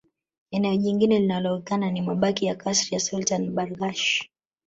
Eneo jingine linaloonekana ni mabaki ya kasri la Sultan Barghash